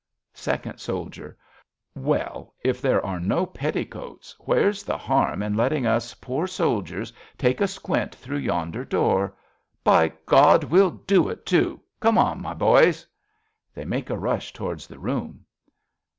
Second Soldier. Well, if there are no petticoats, where's the harm In letting us poor soldiers take a squint 56 A BELGIAN CHRISTMAS EVE Through yonder door? By God, we'll do it, too ! Come on, my boys. {They make a rush towards the room.)